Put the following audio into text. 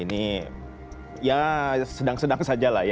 ini ya sedang sedang saja lah ya